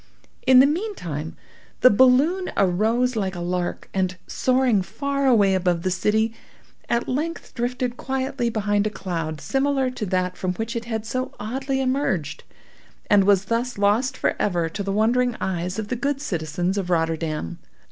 In the meantime the balloon arose like a lark, and, soaring far away above the city, at length drifted quietly behind a cloud similar to that from which it had so oddly emerged, and was thus lost forever to the wondering eyes of the good citizens of Rotterdam.